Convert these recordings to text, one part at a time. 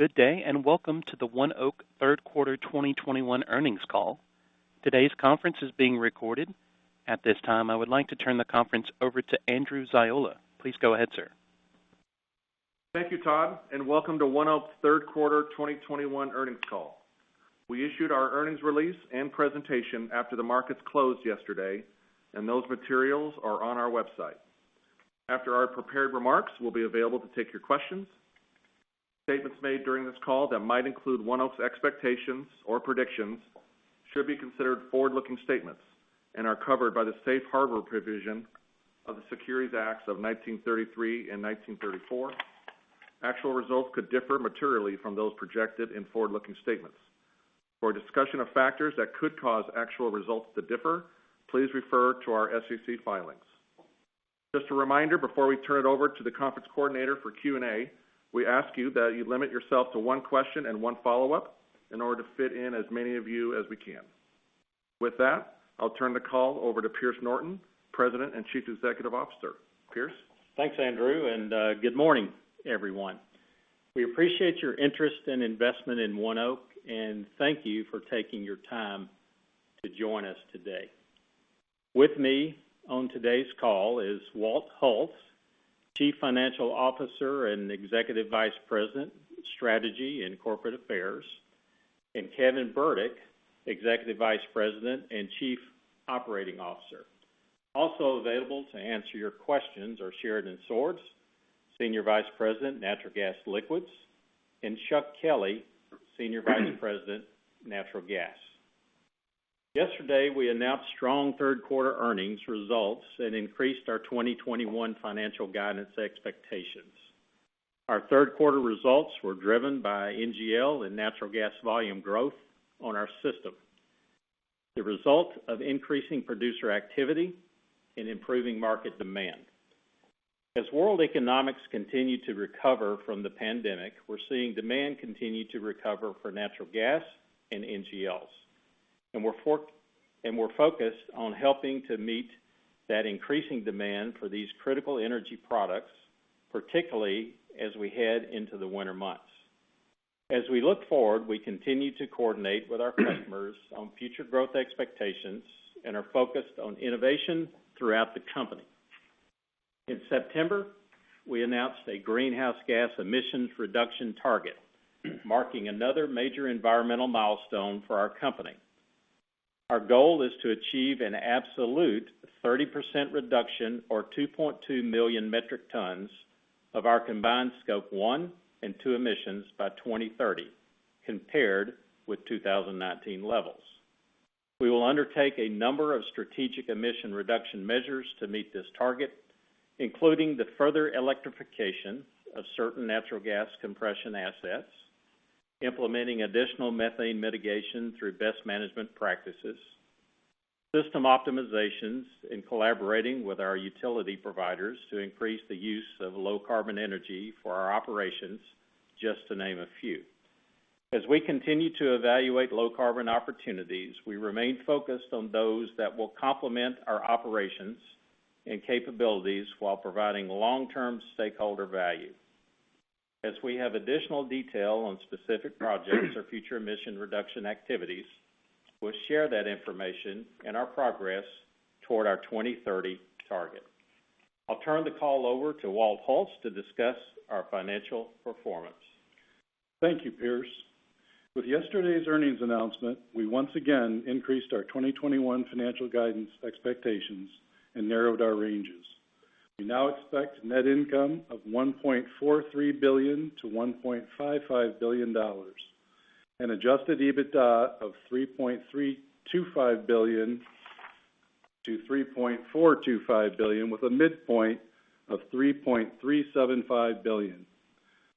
Good day, and welcome to the ONEOK third quarter 2021 earnings call. Today's conference is being recorded. At this time, I would like to turn the conference over to Andrew Ziola. Please go ahead, sir. Thank you, Todd, and welcome to ONEOK's third quarter 2021 earnings call. We issued our earnings release and presentation after the markets closed yesterday, and those materials are on our website. After our prepared remarks, we'll be available to take your questions. Statements made during this call that might include ONEOK's expectations or predictions should be considered forward-looking statements and are covered by the safe harbor provision of the Securities Acts of 1933 and 1934. Actual results could differ materially from those projected in forward-looking statements. For a discussion of factors that could cause actual results to differ, please refer to our SEC filings. Just a reminder, before we turn it over to the conference coordinator for Q&A, we ask you that you limit yourself to one question and one follow-up in order to fit in as many of you as we can. With that, I'll turn the call over to Pierce Norton, President and Chief Executive Officer. Pierce? Thanks, Andrew, and good morning, everyone. We appreciate your interest and investment in ONEOK, and thank you for taking your time to join us today. With me on today's call is Walt Hulse, Chief Financial Officer and Executive Vice President, Strategy and Corporate Affairs, and Kevin Burdick, Executive Vice President and Chief Operating Officer. Also available to answer your questions are Sheridan Swords, Senior Vice President, Natural Gas Liquids, and Chuck Kelly, Senior Vice President, Natural Gas. Yesterday, we announced strong third quarter earnings results and increased our 2021 financial guidance expectations. Our third quarter results were driven by NGL and natural gas volume growth on our system, the result of increasing producer activity and improving market demand. As world economics continue to recover from the pandemic, we're seeing demand continue to recover for natural gas and NGLs. We're focused on helping to meet that increasing demand for these critical energy products, particularly as we head into the winter months. As we look forward, we continue to coordinate with our customers on future growth expectations and are focused on innovation throughout the company. In September, we announced a greenhouse gas emissions reduction target, marking another major environmental milestone for our company. Our goal is to achieve an absolute 30% reduction or 2.2 million metric tons of our combined Scope 1 and 2 emissions by 2030 compared with 2019 levels. We will undertake a number of strategic emission reduction measures to meet this target, including the further electrification of certain natural gas compression assets, implementing additional methane mitigation through best management practices, system optimizations, and collaborating with our utility providers to increase the use of low-carbon energy for our operations, just to name a few. As we continue to evaluate low-carbon opportunities, we remain focused on those that will complement our operations and capabilities while providing long-term stakeholder value. As we have additional detail on specific projects or future emission reduction activities, we'll share that information and our progress toward our 2030 target. I'll turn the call over to Walt Hulse to discuss our financial performance. Thank you, Pierce. With yesterday's earnings announcement, we once again increased our 2021 financial guidance expectations and narrowed our ranges. We now expect net income of $1.43 billion-$1.55 billion, an adjusted EBITDA of $3.325 billion-$3.425 billion with a midpoint of $3.375 billion.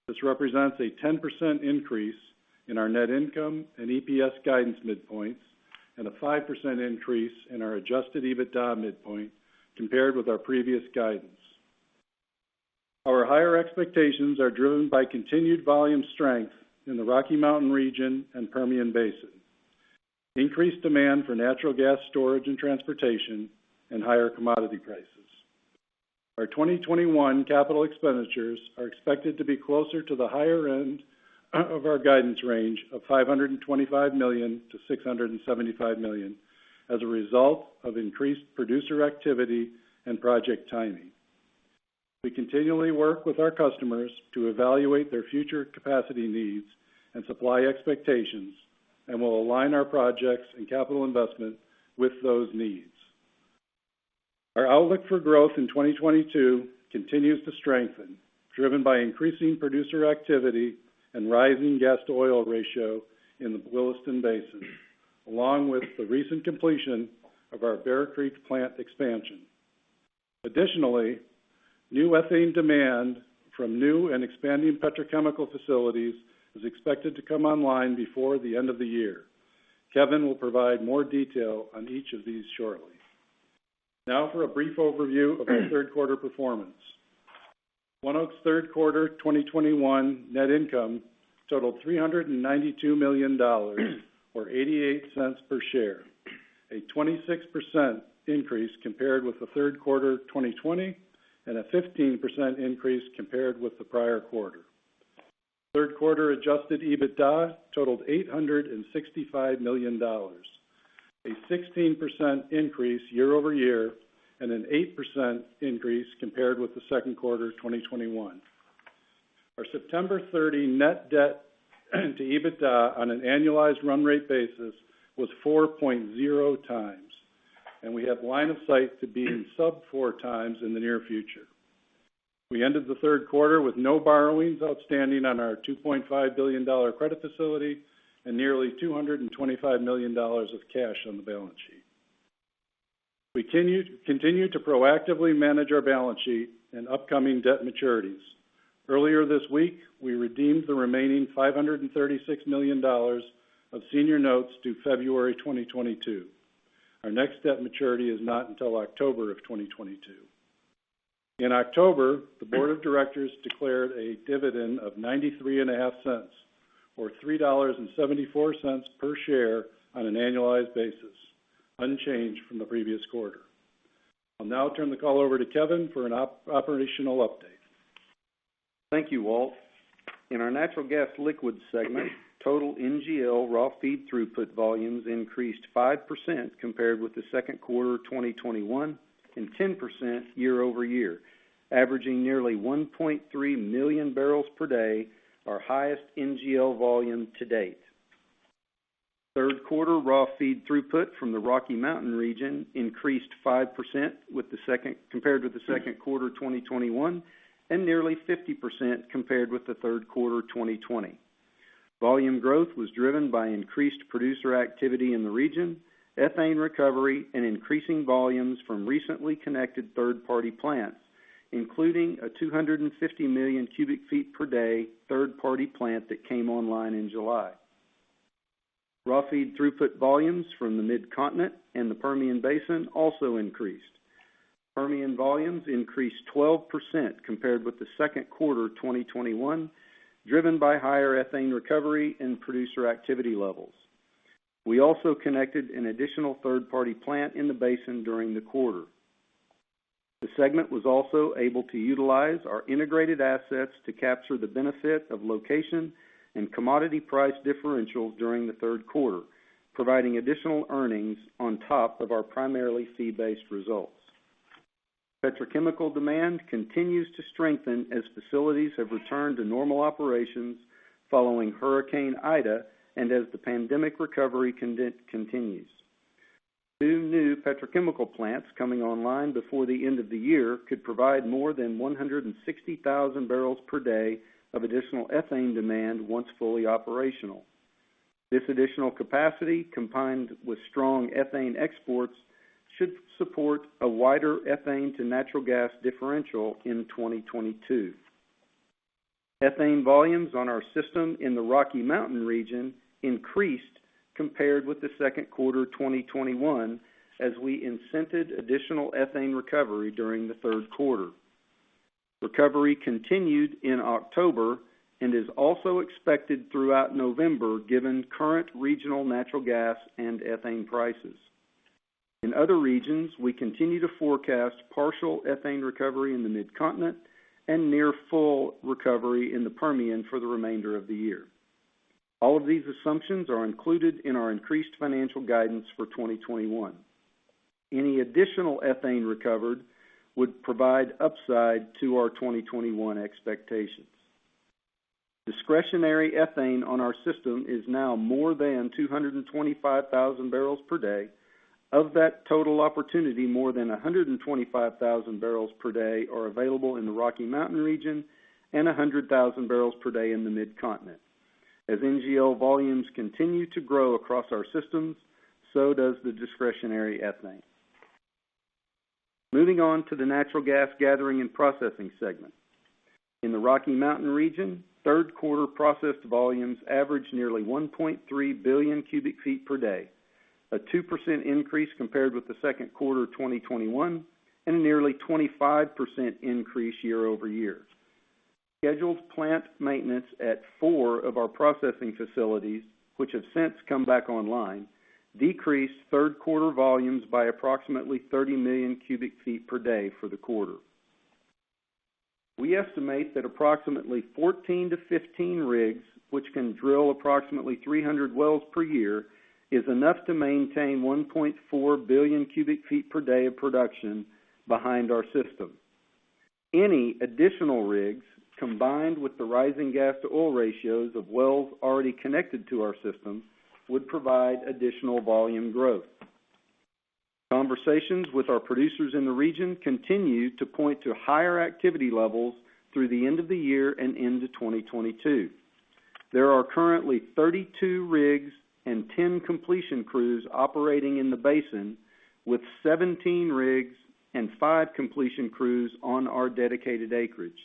This represents a 10% increase in our net income and EPS guidance midpoints and a 5% increase in our adjusted EBITDA midpoint compared with our previous guidance. Our higher expectations are driven by continued volume strength in the Rocky Mountain region and Permian Basin, increased demand for natural gas storage and transportation, and higher commodity prices. Our 2021 capital expenditures are expected to be closer to the higher end of our guidance range of $525 million-$675 million as a result of increased producer activity and project timing. We continually work with our customers to evaluate their future capacity needs and supply expectations, and we'll align our projects and capital investment with those needs. Our outlook for growth in 2022 continues to strengthen, driven by increasing producer activity and rising gas-to-oil ratio in the Williston Basin, along with the recent completion of our Bear Creek plant expansion. Additionally, new ethane demand from new and expanding petrochemical facilities is expected to come online before the end of the year. Kevin will provide more detail on each of these shortly. Now for a brief overview of our third quarter performance. ONEOK's third quarter 2021 net income totaled $392 million or $0.88 per share. A 26% increase compared with the third quarter of 2020, and a 15% increase compared with the prior quarter. Third quarter adjusted EBITDA totaled $865 million. A 16% increase year-over-year, and an 8% increase compared with the second quarter of 2021. Our September 30 net debt to EBITDA on an annualized run rate basis was 4.0x, and we have line of sight to be in sub-4x in the near future. We ended the third quarter with no borrowings outstanding on our $2.5 billion credit facility and nearly $225 million of cash on the balance sheet. We continue to proactively manage our balance sheet and upcoming debt maturities. Earlier this week, we redeemed the remaining $536 million of senior notes due February 2022. Our next debt maturity is not until October 2022. In October, the board of directors declared a dividend of $0.935, or $3.74 per share on an annualized basis, unchanged from the previous quarter. I'll now turn the call over to Kevin for an operational update. Thank you, Walt. In our natural gas liquids segment, total NGL raw feed throughput volumes increased 5% compared with the second quarter of 2021 and 10% year-over-year, averaging nearly 1.3 million barrels per day, our highest NGL volume to date. Third quarter raw feed throughput from the Rocky Mountain region increased 5% compared with the second quarter of 2021, and nearly 50% compared with the third quarter of 2020. Volume growth was driven by increased producer activity in the region, ethane recovery, and increasing volumes from recently connected third-party plants, including a 250 million cubic feet per day third-party plant that came online in July. Raw feed throughput volumes from the Mid-Continent and the Permian Basin also increased. Permian volumes increased 12% compared with the second quarter of 2021, driven by higher ethane recovery and producer activity levels. We also connected an additional third-party plant in the basin during the quarter. The segment was also able to utilize our integrated assets to capture the benefit of location and commodity price differentials during the third quarter, providing additional earnings on top of our primarily fee-based results. Petrochemical demand continues to strengthen as facilities have returned to normal operations following Hurricane Ida and as the pandemic recovery continues. Two new petrochemical plants coming online before the end of the year could provide more than 160,000 barrels per day of additional ethane demand once fully operational. This additional capacity, combined with strong ethane exports, should support a wider ethane to natural gas differential in 2022. Ethane volumes on our system in the Rocky Mountain region increased compared with the second quarter of 2021 as we incented additional ethane recovery during the third quarter. Recovery continued in October and is also expected throughout November, given current regional natural gas and ethane prices. In other regions, we continue to forecast partial ethane recovery in the Mid-Continent and near full recovery in the Permian for the remainder of the year. All of these assumptions are included in our increased financial guidance for 2021. Any additional ethane recovered would provide upside to our 2021 expectations. Discretionary ethane on our system is now more than 225,000 barrels per day. Of that total opportunity, more than 125,000 barrels per day are available in the Rocky Mountain region and 100,000 barrels per day in the Mid-Continent. As NGL volumes continue to grow across our systems, so does the discretionary ethane. Moving on to the Natural Gas Gathering and Processing segment. In the Rocky Mountain region, third quarter processed volumes averaged nearly 1.3 billion cubic feet per day, a 2% increase compared with the second quarter of 2021, and a nearly 25% increase year-over-year. Scheduled plant maintenance at four of our processing facilities, which have since come back online, decreased third quarter volumes by approximately 30 million cubic feet per day for the quarter. We estimate that approximately 14-15 rigs, which can drill approximately 300 wells per year, is enough to maintain 1.4 billion cubic feet per day of production behind our system. Any additional rigs, combined with the rising gas-to-oil ratios of wells already connected to our system, would provide additional volume growth. Conversations with our producers in the region continue to point to higher activity levels through the end of the year and into 2022. There are currently 32 rigs and 10 completion crews operating in the basin, with 17 rigs and 5 completion crews on our dedicated acreage.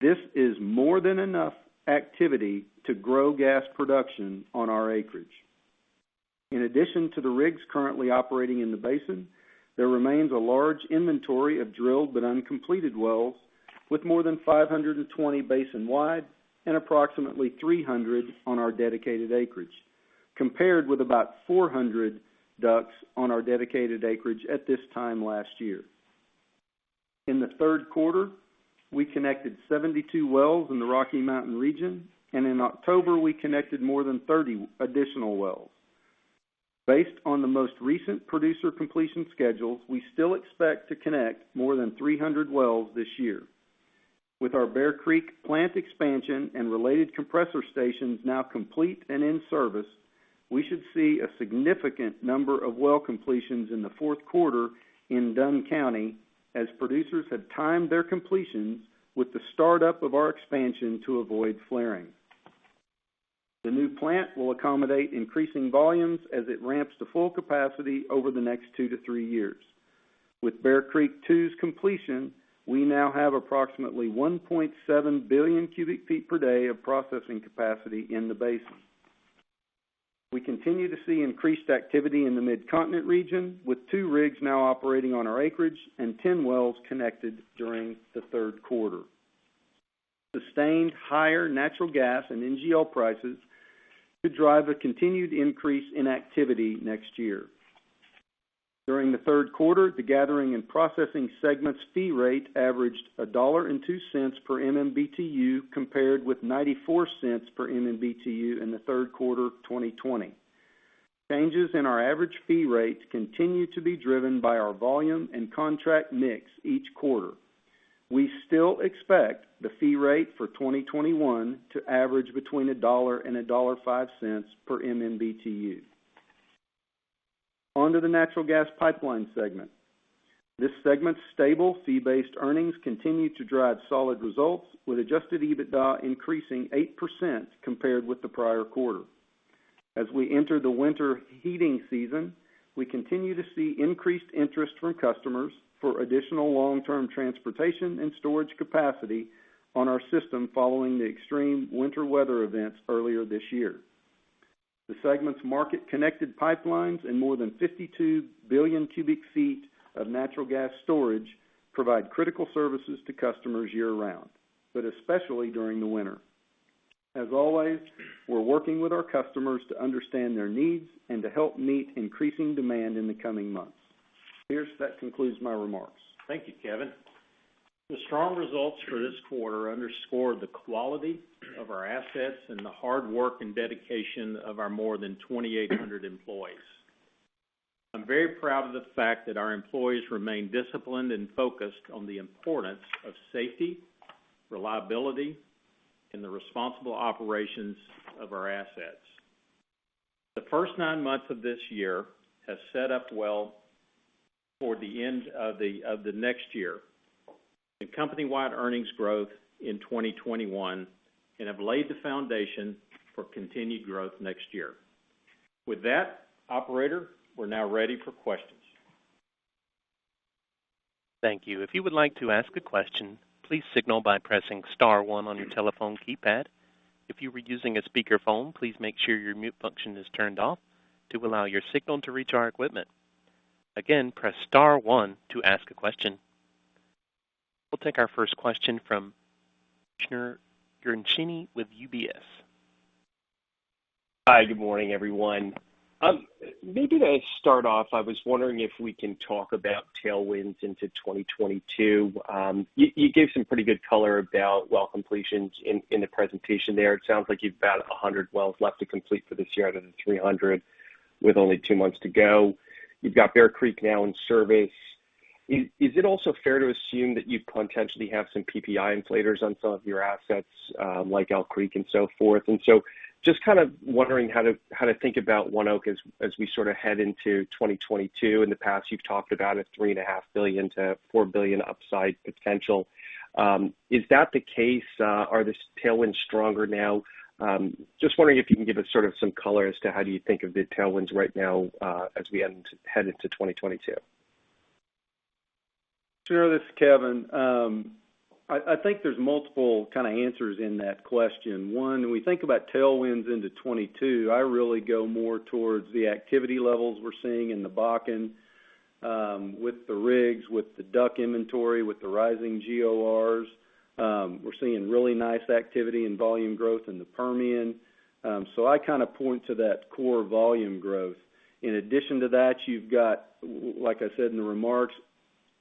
This is more than enough activity to grow gas production on our acreage. In addition to the rigs currently operating in the basin, there remains a large inventory of drilled but uncompleted wells. With more than 520 basin-wide and approximately 300 on our dedicated acreage, compared with about 400 DUCs on our dedicated acreage at this time last year. In the third quarter, we connected 72 wells in the Rocky Mountain region, and in October, we connected more than 30 additional wells. Based on the most recent producer completion schedules, we still expect to connect more than 300 wells this year. With our Bear Creek plant expansion and related compressor stations now complete and in service, we should see a significant number of well completions in the fourth quarter in Dunn County as producers have timed their completions with the startup of our expansion to avoid flaring. The new plant will accommodate increasing volumes as it ramps to full capacity over the next two to three years. With Bear Creek Two's completion, we now have approximately 1.7 billion cubic feet per day of processing capacity in the basin. We continue to see increased activity in the Mid-Continent region, with two rigs now operating on our acreage and 10 wells connected during the third quarter. Sustained higher natural gas and NGL prices could drive a continued increase in activity next year. During the third quarter, the gathering and processing segment's fee rate averaged $1.02 per MMBtu, compared with $0.94 per MMBtu in the third quarter of 2020. Changes in our average fee rates continue to be driven by our volume and contract mix each quarter. We still expect the fee rate for 2021 to average between $1 and $1.05 per MMBtu. On to the natural gas pipeline segment. This segment's stable fee-based earnings continue to drive solid results, with adjusted EBITDA increasing 8% compared with the prior quarter. As we enter the winter heating season, we continue to see increased interest from customers for additional long-term transportation and storage capacity on our system following the extreme winter weather events earlier this year. The segment's market-connected pipelines and more than 52 billion cubic feet of natural gas storage provide critical services to customers year-round, but especially during the winter. As always, we're working with our customers to understand their needs and to help meet increasing demand in the coming months. Pierce, that concludes my remarks. Thank you, Kevin. The strong results for this quarter underscore the quality of our assets and the hard work and dedication of our more than 2,800 employees. I'm very proud of the fact that our employees remain disciplined and focused on the importance of safety, reliability, and the responsible operations of our assets. The first 9 months of this year has set up well for the end of the next year, the company-wide earnings growth in 2021, and have laid the foundation for continued growth next year. With that, operator, we're now ready for questions. Thank you. If you would like to ask a question, please signal by pressing star one on your telephone keypad. If you were using a speaker phone, please make sure your mute function is turned off to allow your signal to reach our equipment. Again, press star one to ask a question. We'll take our first question from Shneur Gershuni with UBS. Hi, good morning, everyone. Maybe to start off, I was wondering if we can talk about tailwinds into 2022. You gave some pretty good color about well completions in the presentation there. It sounds like you've about 100 wells left to complete for this year out of the 300 with only 2 months to go. You've got Bear Creek now in service. Is it also fair to assume that you potentially have some PPI inflators on some of your assets, like Elk Creek and so forth? Just kind of wondering how to think about ONEOK as we sort of head into 2022. In the past, you've talked about a $3.5 billion-$4 billion upside potential. Is that the case? Are the tailwinds stronger now? Just wondering if you can give us sort of some color as to how do you think of the tailwinds right now, as we head into 2022? Sure. This is Kevin. I think there's multiple kind of answers in that question. One, when we think about tailwinds into 2022, I really go more towards the activity levels we're seeing in the Bakken, with the rigs, with the DUCs inventory, with the rising GORs. We're seeing really nice activity and volume growth in the Permian. So I kind of point to that core volume growth. In addition to that, you've got, like I said in the remarks,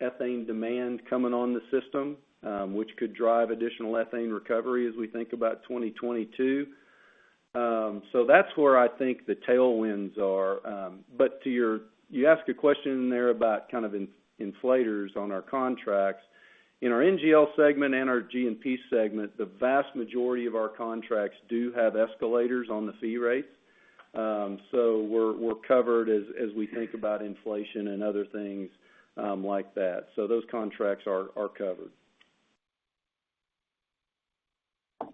ethane demand coming on the system, which could drive additional ethane recovery as we think about 2022. So that's where I think the tailwinds are. But to your question. You asked a question in there about kind of escalators on our contracts. In our NGL segment and our G&P segment, the vast majority of our contracts do have escalators on the fee rates. We're covered as we think about inflation and other things, like that. Those contracts are covered.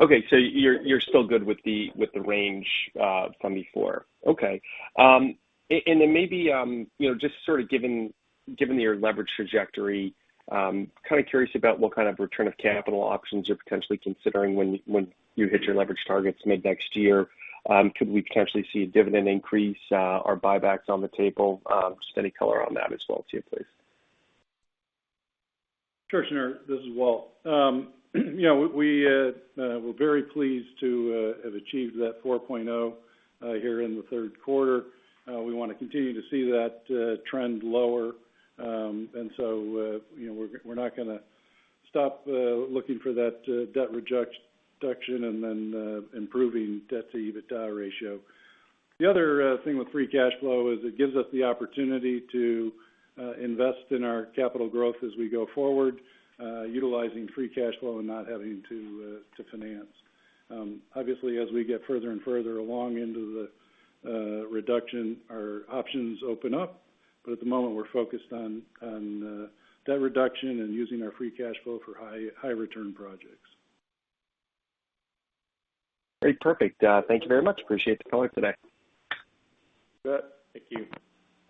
Okay. You're still good with the range from before. Okay. Maybe, you know, just sort of given your leverage trajectory, kind of curious about what kind of return of capital options you're potentially considering when you hit your leverage targets mid-next year. Could we potentially see a dividend increase, or buybacks on the table? Just any color on that as well too, please. Tristan, this is Walt. You know, we're very pleased to have achieved that 4.0 here in the third quarter. We wanna continue to see that trend lower. You know, we're not gonna stop looking for that debt reduction and then improving debt-to-EBITDA ratio. The other thing with free cash flow is it gives us the opportunity to invest in our capital growth as we go forward, utilizing free cash flow and not having to finance. Obviously, as we get further and further along into the reduction, our options open up. At the moment, we're focused on debt reduction and using our free cash flow for high return projects. Great. Perfect. Thank you very much. Appreciate the color today. Good. Thank you.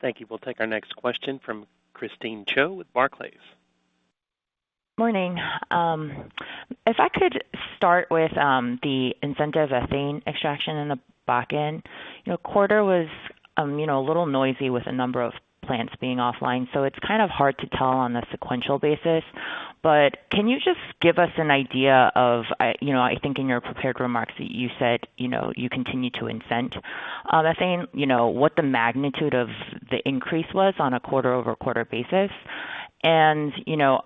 Thank you. We'll take our next question from Christine Cho with Barclays. Morning. If I could start with the incentive ethane extraction in the Bakken. You know, the quarter was you know a little noisy with a number of plants being offline, so it's kind of hard to tell on a sequential basis. Can you just give us an idea of you know I think in your prepared remarks that you said you know you continue to incent. I think you know what the magnitude of the increase was on a quarter-over-quarter basis. You know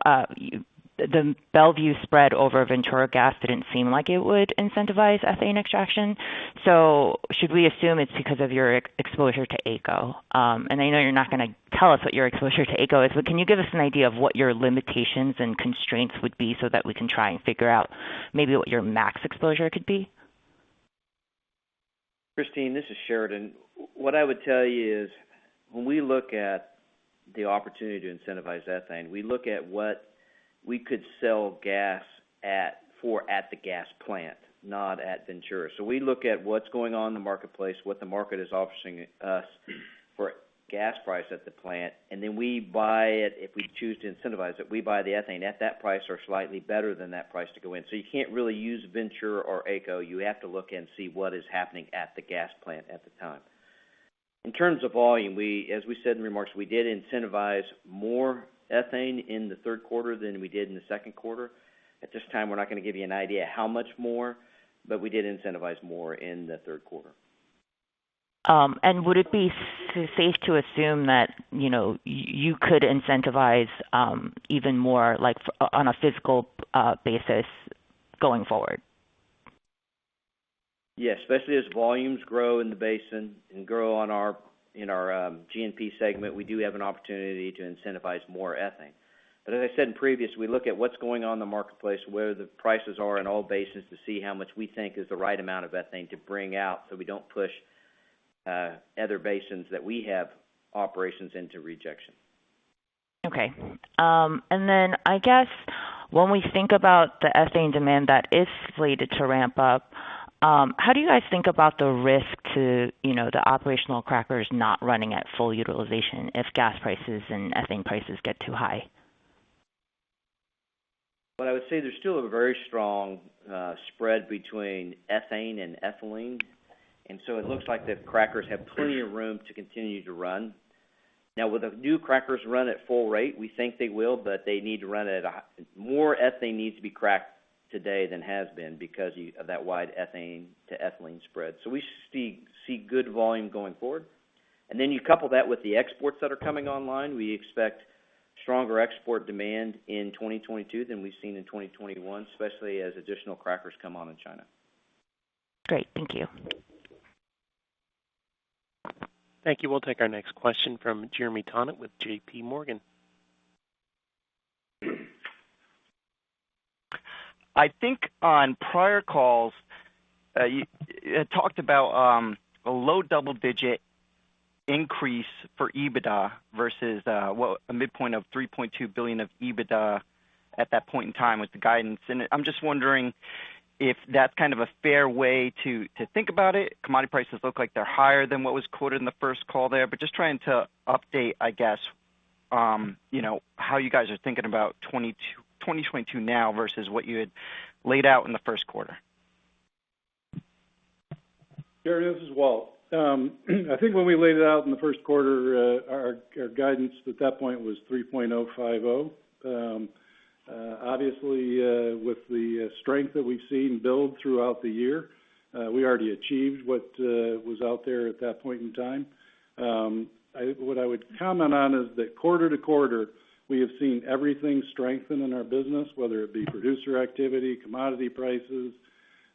the Mont Belvieu spread over Ventura Gas didn't seem like it would incentivize ethane extraction. Should we assume it's because of your exposure to AECO? I know you're not gonna tell us what your exposure to AECO is, but can you give us an idea of what your limitations and constraints would be so that we can try and figure out maybe what your max exposure could be? Christine, this is Sheridan. What I would tell you is, when we look at the opportunity to incentivize ethane, we look at what we could sell gas for at the gas plant, not at Ventura. We look at what's going on in the marketplace, what the market is offering us for gas price at the plant, and then we buy it, if we choose to incentivize it, we buy the ethane at that price or slightly better than that price to go in. You can't really use Ventura or AECO. You have to look and see what is happening at the gas plant at the time. In terms of volume, as we said in remarks, we did incentivize more ethane in the third quarter than we did in the second quarter. At this time, we're not gonna give you an idea how much more, but we did incentivize more in the third quarter. Would it be safe to assume that, you know, you could incentivize, even more, like, on a physical basis going forward? Yes. Especially as volumes grow in the basin and grow in our G&P segment, we do have an opportunity to incentivize more ethane. As I said in previous, we look at what's going on in the marketplace, where the prices are in all basins to see how much we think is the right amount of ethane to bring out, so we don't push other basins that we have operations into rejection. Okay. I guess when we think about the ethane demand that is slated to ramp up, how do you guys think about the risk to, you know, the operational crackers not running at full utilization if gas prices and ethane prices get too high? What I would say, there's still a very strong spread between ethane and ethylene. It looks like the crackers have plenty of room to continue to run. Now, will the new crackers run at full rate? We think they will, but they need to run more ethane needs to be cracked today than has been because of that wide ethane to ethylene spread. We see good volume going forward. You couple that with the exports that are coming online. We expect stronger export demand in 2022 than we've seen in 2021, especially as additional crackers come on in China. Great. Thank you. Thank you. We'll take our next question from Jeremy Tonet with JPMorgan. I think on prior calls, you talked about a low double-digit increase for EBITDA versus a midpoint of $3.2 billion of EBITDA at that point in time with the guidance. I'm just wondering if that's kind of a fair way to think about it. Commodity prices look like they're higher than what was quoted in the first call there. Just trying to update, I guess, you know, how you guys are thinking about 2022 now versus what you had laid out in the first quarter. Jeremy, this is Walt. I think when we laid it out in the first quarter, our guidance at that point was $3.050. Obviously, with the strength that we've seen build throughout the year, we already achieved what was out there at that point in time. What I would comment on is that quarter to quarter, we have seen everything strengthen in our business, whether it be producer activity, commodity prices.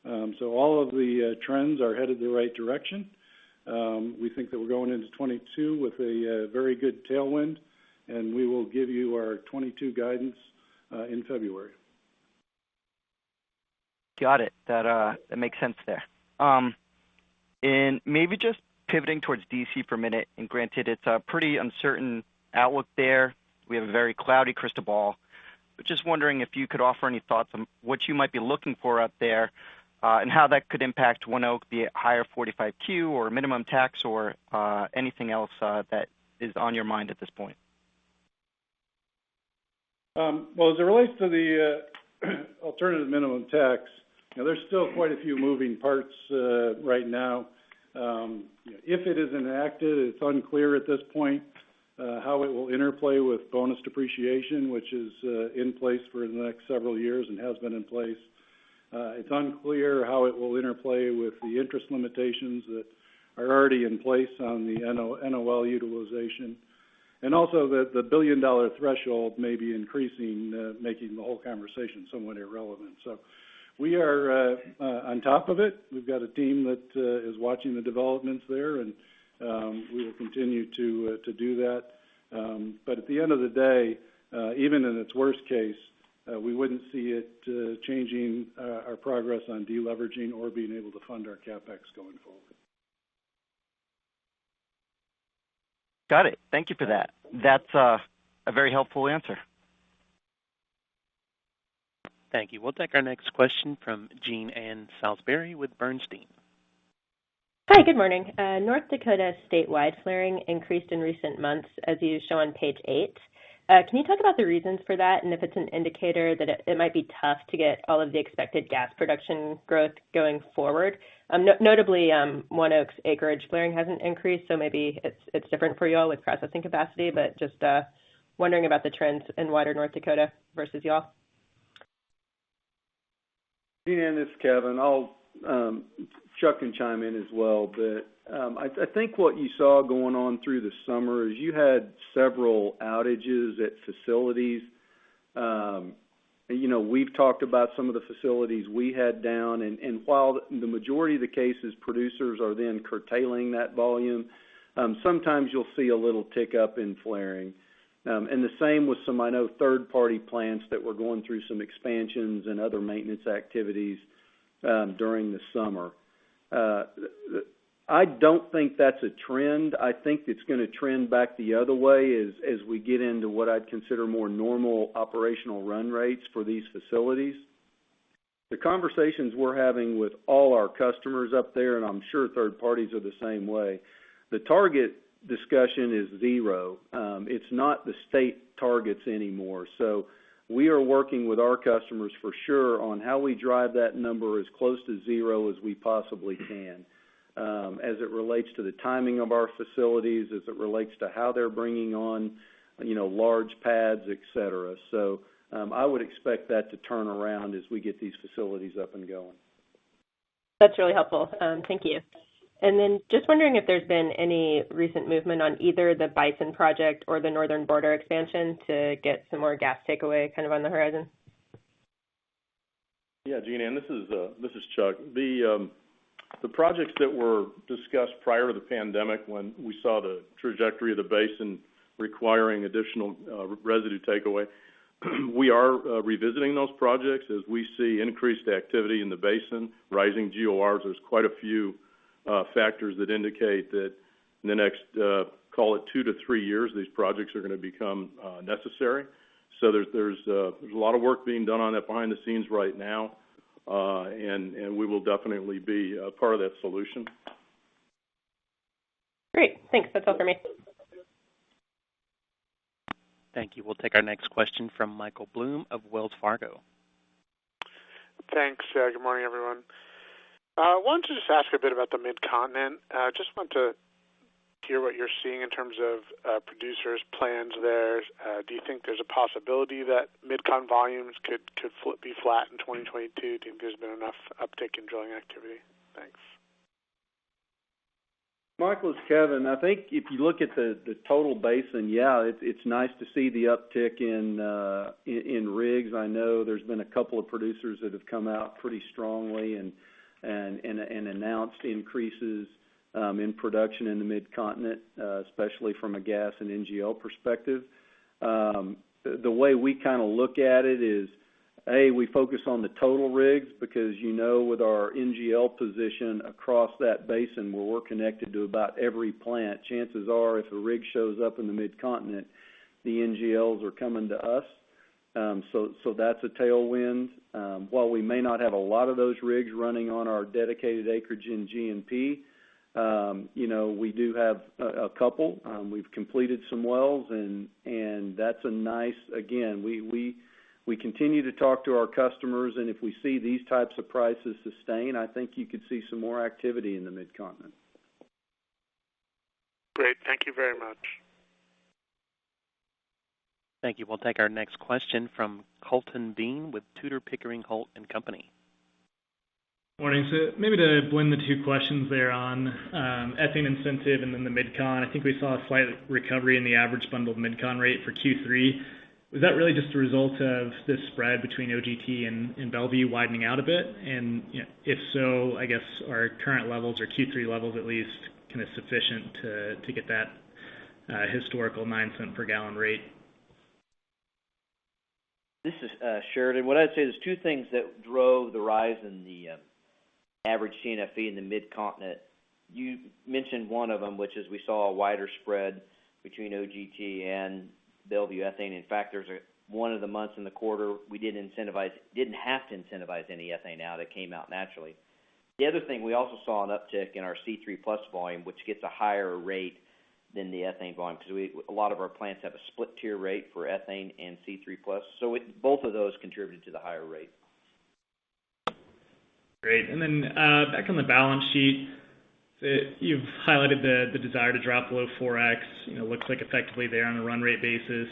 All of the trends are headed in the right direction. We think that we're going into 2022 with a very good tailwind, and we will give you our 2022 guidance in February. Got it. That makes sense there. Maybe just pivoting towards D.C. for a minute, granted, it's a pretty uncertain outlook there. We have a very cloudy crystal ball. Just wondering if you could offer any thoughts on what you might be looking for out there, and how that could impact ONEOK via higher 45Q or minimum tax or, anything else, that is on your mind at this point. Well, as it relates to the alternative minimum tax. Now there's still quite a few moving parts right now. If it is enacted, it's unclear at this point how it will interplay with bonus depreciation, which is in place for the next several years and has been in place. It's unclear how it will interplay with the interest limitations that are already in place on the NOL utilization. Also the billion-dollar threshold may be increasing, making the whole conversation somewhat irrelevant. We are on top of it. We've got a team that is watching the developments there, and we will continue to do that. At the end of the day, even in its worst case, we wouldn't see it changing our progress on deleveraging or being able to fund our CapEx going forward. Got it. Thank you for that. That's a very helpful answer. Thank you. We'll take our next question from Jean Ann Salisbury with Bernstein. Hi. Good morning. North Dakota statewide flaring increased in recent months, as you show on page 8. Can you talk about the reasons for that, and if it's an indicator that it might be tough to get all of the expected gas production growth going forward? Notably, one of acreage flaring hasn't increased, so maybe it's different for y'all with processing capacity. Just wondering about the trends in wider North Dakota versus y'all. Jean Ann, it's Kevin. Chuck can chime in as well. I think what you saw going on through the summer is you had several outages at facilities. You know, we've talked about some of the facilities we had down. While the majority of the cases, producers are then curtailing that volume, sometimes you'll see a little tick up in flaring. The same with some third-party plants that were going through some expansions and other maintenance activities during the summer. I don't think that's a trend. I think it's gonna trend back the other way as we get into what I'd consider more normal operational run rates for these facilities. The conversations we're having with all our customers up there, and I'm sure third parties are the same way, the target discussion is zero. It's not the state targets anymore. We are working with our customers for sure on how we drive that number as close to zero as we possibly can, as it relates to the timing of our facilities, as it relates to how they're bringing on, you know, large pads, et cetera. I would expect that to turn around as we get these facilities up and going. That's really helpful. Thank you. Just wondering if there's been any recent movement on either the Bison Pipeline or the Northern Border Pipeline to get some more gas takeaway kind of on the horizon. Yeah, Jean Ann, this is Chuck. The projects that were discussed prior to the pandemic when we saw the trajectory of the basin requiring additional residue takeaway, we are revisiting those projects as we see increased activity in the basin, rising GORs. There's quite a few factors that indicate that in the next call it 2-3 years, these projects are gonna become necessary. There's a lot of work being done on that behind the scenes right now. We will definitely be part of that solution. Great. Thanks. That's all for me. Thank you. We'll take our next question from Michael Blum of Wells Fargo. Thanks. Good morning, everyone. Wanted to just ask a bit about the Midcontinent. Just want to hear what you're seeing in terms of producers' plans there. Do you think there's a possibility that Midcon volumes could be flat in 2022? Do you think there's been enough uptick in drilling activity? Thanks. Michael, it's Kevin. I think if you look at the total basin, yeah, it's nice to see the uptick in rigs. I know there's been a couple of producers that have come out pretty strongly and announced increases in production in the Midcontinent, especially from a gas and NGL perspective. The way we kinda look at it is, A, we focus on the total rigs because, you know, with our NGL position across that basin where we're connected to about every plant, chances are if a rig shows up in the Midcontinent, the NGLs are coming to us. So that's a tailwind. While we may not have a lot of those rigs running on our dedicated acreage in G&P, you know, we do have a couple. We've completed some wells. We continue to talk to our customers, and if we see these types of prices sustain, I think you could see some more activity in the Midcontinent. Great. Thank you very much. Thank you. We'll take our next question from Colton Bean with Tudor, Pickering, Holt & Co. Morning. Maybe to blend the two questions there on ethane incentive and then the MidCon. I think we saw a slight recovery in the average bundled MidCon rate for Q3. Was that really just a result of this spread between OGT and Mont Belvieu widening out a bit? You know, if so, I guess our current levels or Q3 levels at least kind of sufficient to get that historical nine-cent per gallon rate. This is Sheridan. What I'd say is two things that drove the rise in the average T&F in the Midcontinent. You mentioned one of them, which is we saw a wider spread between OGT and Belvieu ethane. In fact, there's one of the months in the quarter, we didn't have to incentivize any ethane that came out naturally. The other thing, we also saw an uptick in our C3+ volume, which gets a higher rate. Than the ethane volume. 'Cause a lot of our plants have a split tier rate for ethane and C3+. Both of those contributed to the higher rate. Great. Back on the balance sheet, you've highlighted the desire to drop below 4x, you know, looks like effectively there on a run rate basis.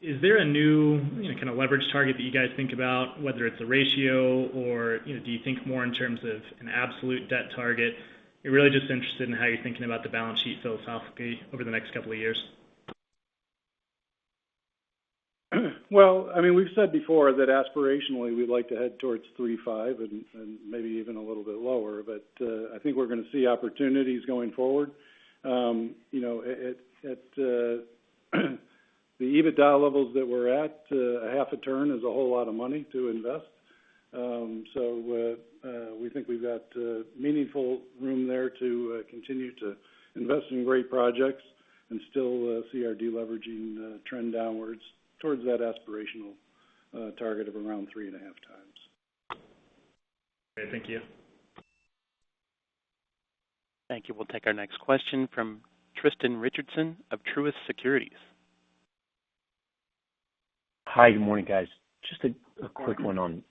Is there a new, you know, kind of leverage target that you guys think about, whether it's a ratio or, you know, do you think more in terms of an absolute debt target? Really just interested in how you're thinking about the balance sheet philosophically over the next couple of years. Well, I mean, we've said before that aspirationally, we'd like to head towards 3.5 and maybe even a little bit lower. I think we're gonna see opportunities going forward. You know, at the EBITDA levels that we're at, half a turn is a whole lot of money to invest. We think we've got meaningful room there to continue to invest in great projects and still see our deleveraging trend downwards towards that aspirational target of around 3.5 times. Okay. Thank you. Thank you. We'll take our next question from Tristan Richardson of Truist Securities. Hi, good morning, guys. Just a quick one on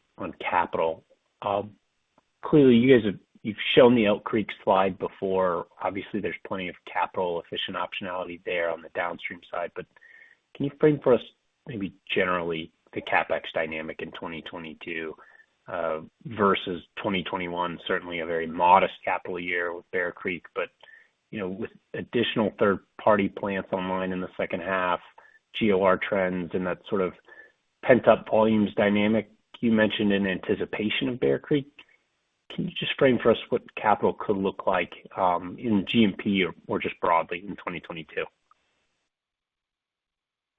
capital. Clearly, you guys have shown the Elk Creek slide before. Obviously, there's plenty of capital-efficient optionality there on the downstream side. Can you frame for us maybe generally the CapEx dynamic in 2022 versus 2021, certainly a very modest capital year with Bear Creek. You know, with additional third-party plants online in the second half, GOR trends and that sort of pent-up volumes dynamic you mentioned in anticipation of Bear Creek, can you just frame for us what capital could look like in G&P or just broadly in 2022?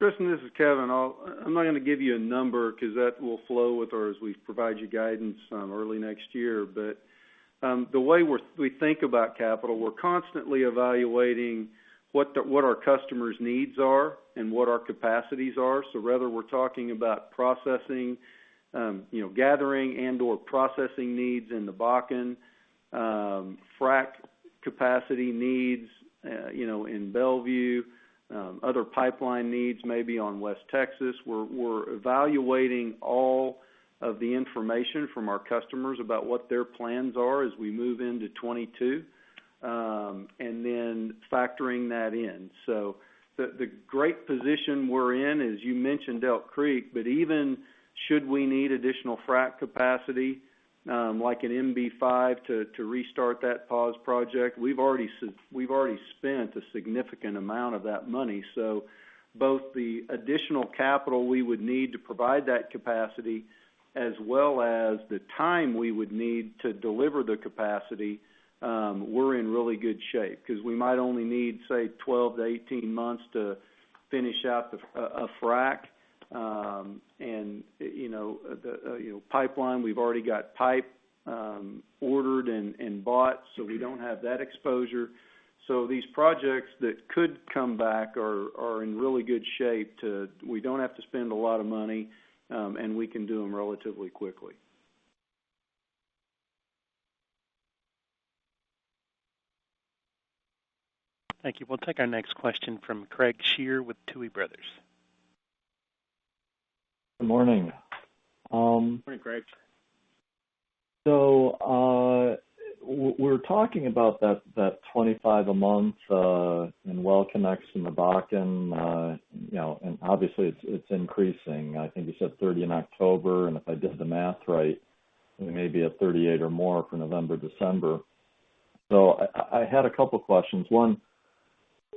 Tristan, this is Kevin. I'm not gonna give you a number 'cause that will flow with, as we provide you guidance early next year. The way we think about capital, we're constantly evaluating what our customers' needs are and what our capacities are. Whether we're talking about processing, you know, gathering and/or processing needs in the Bakken, frack capacity needs, you know, in Mont Belvieu, other pipeline needs maybe on West Texas, we're evaluating all of the information from our customers about what their plans are as we move into 2022, and then factoring that in. The great position we're in, as you mentioned Elk Creek, but even should we need additional frac capacity, like an MB-5 to restart that paused project, we've already spent a significant amount of that money. Both the additional capital we would need to provide that capacity as well as the time we would need to deliver the capacity, we're in really good shape. 'Cause we might only need, say, 12-18 months to finish out a frac. You know, pipeline, we've already got pipe ordered and bought, so we don't have that exposure. These projects that could come back are in really good shape. We don't have to spend a lot of money, and we can do them relatively quickly. Thank you. We'll take our next question from Craig Shere with Tuohy Brothers. Good morning. Good morning, Craig. We're talking about that 25 a month in well connects in the Bakken, you know, and obviously it's increasing. I think you said 30 in October, and if I did the math right, we may be at 38 or more for November, December. I had a couple questions.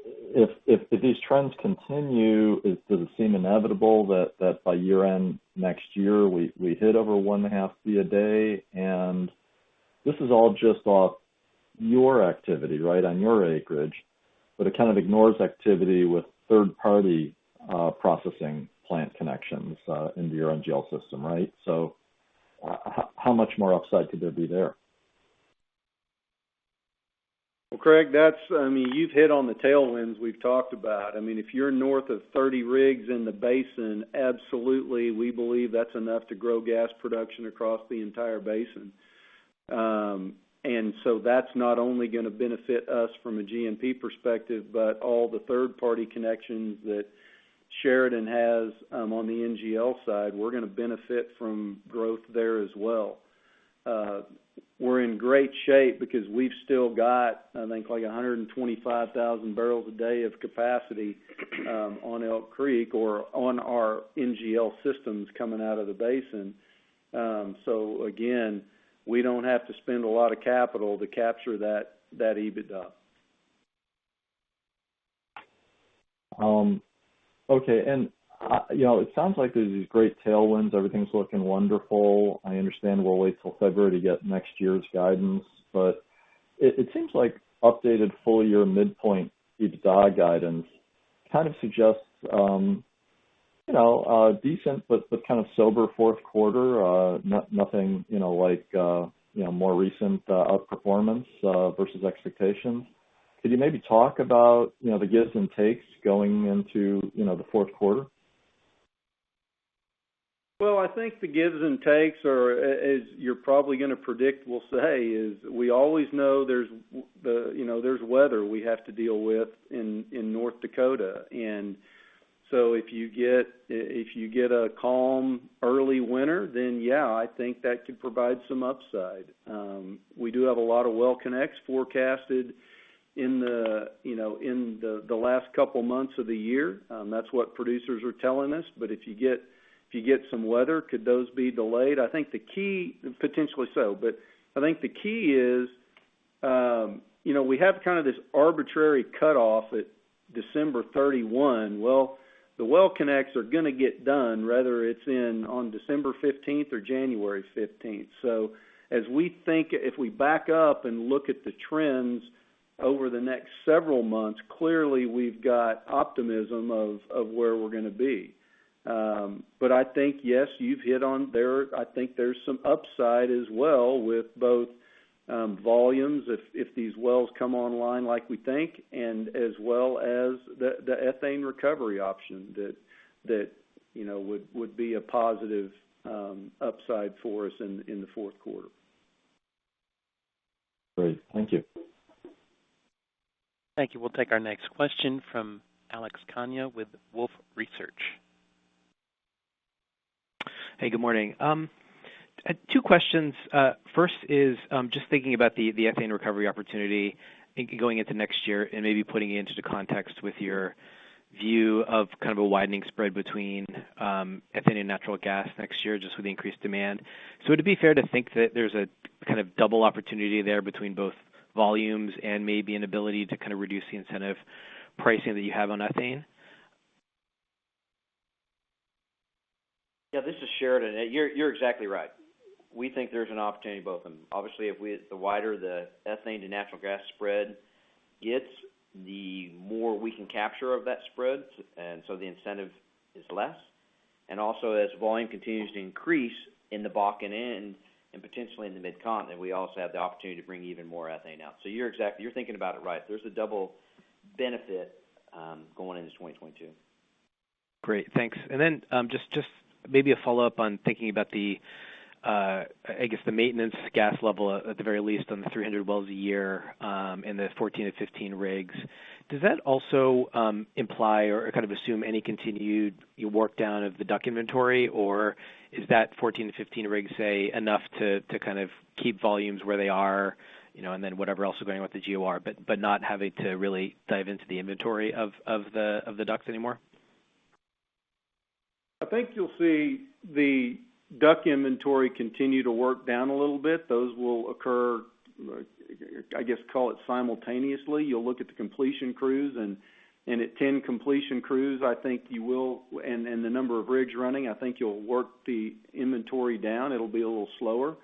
One, if these trends continue, does it seem inevitable that by year-end next year, we hit over 1.5 Bcf a day? And this is all just off your activity, right, on your acreage, but it kind of ignores activity with third-party processing plant connections into your NGL system, right? How much more upside could there be there? Well, Craig, that's I mean, you've hit on the tailwinds we've talked about. I mean, if you're north of 30 rigs in the basin, absolutely, we believe that's enough to grow gas production across the entire basin. That's not only gonna benefit us from a G&P perspective, but all the third-party connections that Sheridan has on the NGL side, we're gonna benefit from growth there as well. We're in great shape because we've still got, I think, like 125,000 barrels a day of capacity on Elk Creek or on our NGL systems coming out of the basin. Again, we don't have to spend a lot of capital to capture that EBITDA. Okay. You know, it sounds like there's these great tailwinds. Everything's looking wonderful. I understand we'll wait till February to get next year's guidance. It seems like updated full-year midpoint EBITDA guidance kind of suggests, you know, a decent but kind of sober fourth quarter. Nothing, you know, like, you know, more recent outperformance versus expectations. Could you maybe talk about, you know, the gives and takes going into, you know, the fourth quarter? Well, I think the gives and takes are, as you're probably gonna predict we'll say is, we always know there's the, you know, there's weather we have to deal with in North Dakota. If you get a calm early winter, then yeah, I think that could provide some upside. We do have a lot of well connects forecasted in the, you know, last couple months of the year. That's what producers are telling us. If you get some weather, could those be delayed? I think the key potentially so. I think the key is, you know, we have kind of this arbitrary cutoff at December 31. Well, the well connects are gonna get done, whether it's in on December 15 or January 15. As we think, if we back up and look at the trends over the next several months, clearly we've got optimism of where we're gonna be. I think, yes, you've hit on there. I think there's some upside as well with both, volumes if these wells come online like we think, and as well as the ethane recovery option that you know would be a positive, upside for us in the fourth quarter. Great. Thank you. Thank you. We'll take our next question from Alex Kania with Wolfe Research. Hey, good morning. Two questions. First is just thinking about the ethane recovery opportunity and going into next year and maybe putting it into the context with your view of kind of a widening spread between ethane and natural gas next year, just with the increased demand. Would it be fair to think that there's a kind of double opportunity there between both volumes and maybe an ability to kind of reduce the incentive pricing that you have on ethane? Yeah, this is Sheridan. You're exactly right. We think there's an opportunity in both of them. Obviously, the wider the ethane to natural gas spread gets, the more we can capture of that spread, and so the incentive is less. Also, as volume continues to increase in the Bakken and potentially in the Mid-Continent, we also have the opportunity to bring even more ethane out. You're exactly right. You're thinking about it right. There's a double benefit going into 2022. Great. Thanks. Just maybe a follow-up on thinking about the, I guess, the maintenance gas level, at the very least, on the 300 wells a year, and the 14-15 rigs. Does that also imply or kind of assume any continued work down of the DUC inventory, or is that 14-15 rigs, say, enough to kind of keep volumes where they are, you know, and then whatever else is going on with the GOR, but not having to really dive into the inventory of the DUCs anymore? I think you'll see the DUC inventory continue to work down a little bit. Those will occur, I guess, call it simultaneously. You'll look at the completion crews and at 10 completion crews, I think you will. The number of rigs running, I think you'll work the inventory down. It'll be a little slower.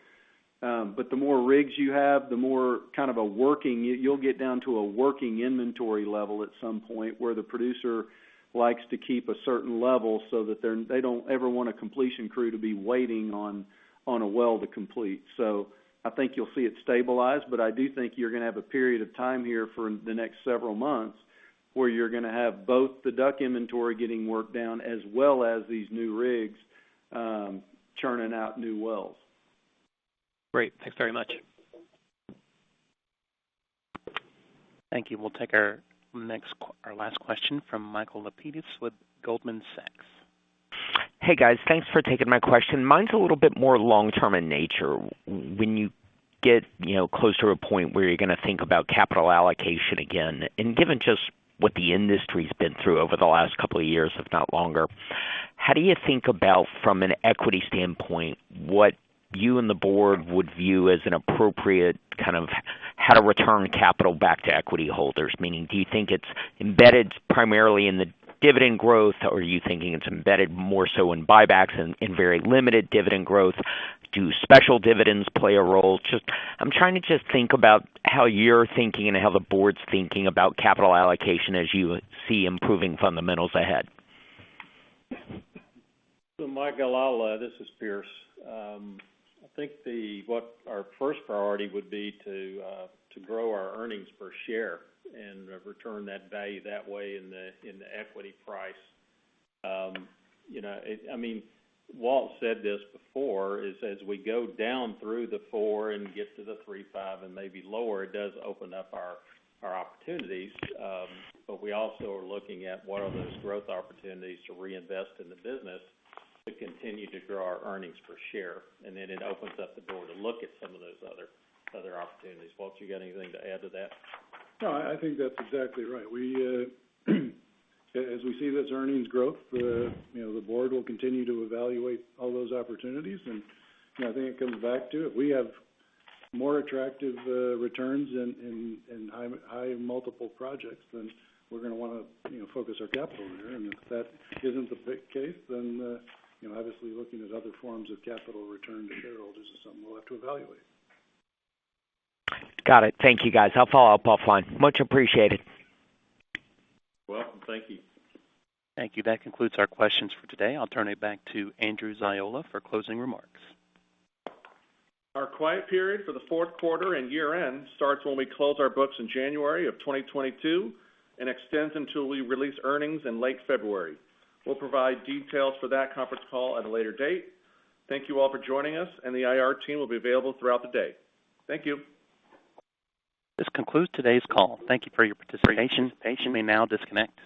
But the more rigs you have, the more kind of a working. You'll get down to a working inventory level at some point where the producer likes to keep a certain level so that they're they don't ever want a completion crew to be waiting on a well to complete. I think you'll see it stabilize, but I do think you're gonna have a period of time here for the next several months where you're gonna have both the DUCs inventory getting worked down as well as these new rigs, churning out new wells. Great. Thanks very much. Thank you. We'll take our last question from Michael Lapides with Goldman Sachs. Hey, guys. Thanks for taking my question. Mine's a little bit more long-term in nature. When you get, you know, close to a point where you're gonna think about capital allocation again, and given just what the industry's been through over the last couple of years, if not longer, how do you think about, from an equity standpoint, what you and the board would view as an appropriate kind of how to return capital back to equity holders? Meaning, do you think it's embedded primarily in the dividend growth, or are you thinking it's embedded more so in buybacks and in very limited dividend growth? Do special dividends play a role? Just, I'm trying to just think about how you're thinking and how the board's thinking about capital allocation as you see improving fundamentals ahead. Michael, I'll. This is Pierce. I think what our first priority would be to grow our earnings per share and return that value that way in the equity price. You know, I mean, Walt said this before is as we go down through the 4% and get to the 3.5% and maybe lower, it does open up our opportunities. We also are looking at what are those growth opportunities to reinvest in the business to continue to grow our earnings per share. It opens up the door to look at some of those other opportunities. Walt, you got anything to add to that? No, I think that's exactly right. We, as we see this earnings growth, you know, the board will continue to evaluate all those opportunities. You know, I think it comes back to if we have more attractive returns and high multiple projects, then we're gonna wanna, you know, focus our capital there. If that isn't the case, then, you know, obviously, looking at other forms of capital return to shareholders is something we'll have to evaluate. Got it. Thank you, guys. I'll follow up offline. Much appreciated. Welcome. Thank you. Thank you. That concludes our questions for today. I'll turn it back to Andrew Ziola for closing remarks. Our quiet period for the fourth quarter and year-end starts when we close our books in January of 2022 and extends until we release earnings in late February. We'll provide details for that conference call at a later date. Thank you all for joining us, and the IR team will be available throughout the day. Thank you. This concludes today's call. Thank you for your participation. You may now disconnect.